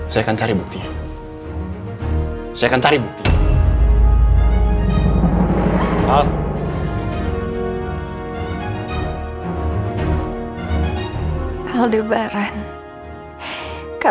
saya akan cari buktinya